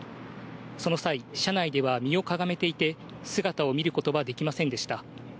その際、車内では身をかがめていて、姿を見ることはできませんでした。